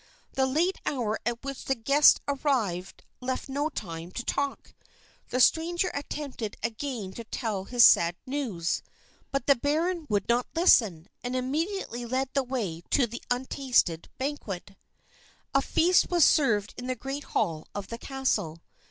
The late hour at which the guest had arrived left no time for talk. The stranger attempted again to tell his sad news, but the baron would not listen, and immediately led the way to the untasted banquet. The feast was served in the great hall of the castle.